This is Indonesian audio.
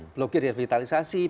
blok g direvitalisasi